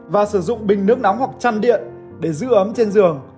và sử dụng bình nước nóng hoặc chăn điện để giữ ấm trên giường